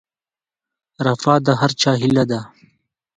رفاه د هر چا هیله ده